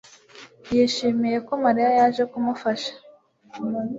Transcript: yishimiye ko mariya yaje kumugufasha